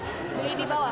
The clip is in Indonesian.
iya ini di bawah